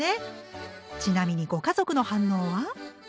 ちなみにご家族の反応は？